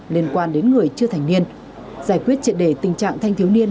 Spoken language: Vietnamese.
liên quan đến người chưa thành niên giải quyết triệt đề tình trạng thanh thiếu niên